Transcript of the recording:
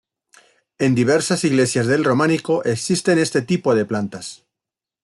En diversas iglesias del románico existen este tipo de plantas.